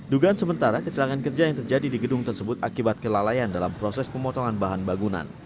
dugaan sementara kecelakaan kerja yang terjadi di gedung tersebut akibat kelalaian dalam proses pemotongan bahan bangunan